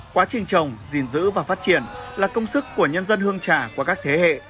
quá trình trồng gìn giữ và phát triển là công sức của nhân dân hương trà qua các thế hệ